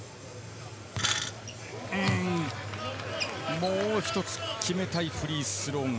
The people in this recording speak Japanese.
もう一つ決めたいフリースローが。